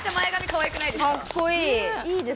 かっこいい！